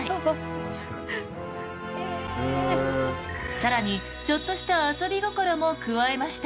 更にちょっとした遊び心も加えました。